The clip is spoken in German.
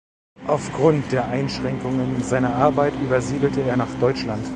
Aufgrund der Einschränkungen seiner Arbeit übersiedelte er nach Deutschland.